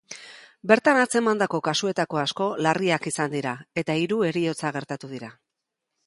Bertan atzemandako kasuetako asko larriak izan dira, eta hiru heriotza gertatu dira.